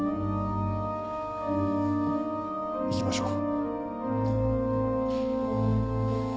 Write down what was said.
行きましょう。